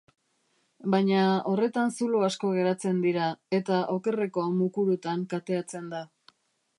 Baina horretan zulo asko geratzen dira, eta okerreko mukurutan kateatzen da.